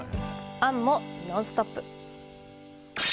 杏も「ノンストップ！」。